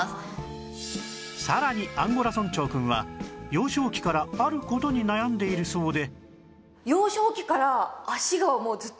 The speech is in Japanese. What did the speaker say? さらにアンゴラ村長くんは幼少期からある事に悩んでいるそうで